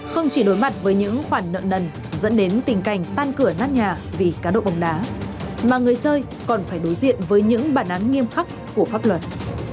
không chỉ đối mặt với những khoản nợ nần dẫn đến tình cảnh tan cửa nát nhà vì cá độ bóng đá mà người chơi còn phải đối diện với những bản án nghiêm khắc của pháp luật